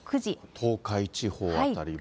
東海地方辺りは。